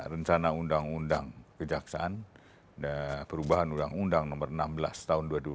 rencana undang undang kejaksaan perubahan undang undang nomor enam belas tahun dua ribu dua